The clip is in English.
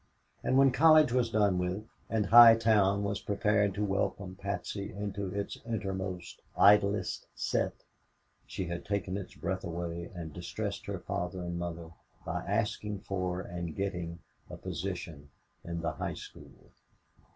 And when college was done with and High Town was prepared to welcome Patsy into its innermost, idlest set, she had taken its breath away and distressed her father and mother by asking for and getting a position in the high school.